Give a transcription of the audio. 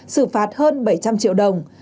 xử phạt hơn bảy trăm linh triệu đồng